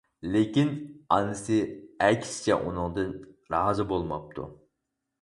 لېكىن ئانىسى ئەكسىچە ئۇنىڭدىن رازى بولماپتۇ.